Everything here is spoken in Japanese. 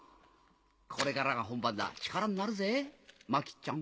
これからが本番だ力になるぜマキちゃん。